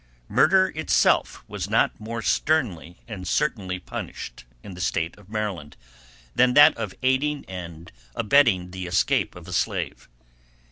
Murder itself was not more sternly and certainly punished in the State of Maryland than that of aiding and abetting the escape of a slave.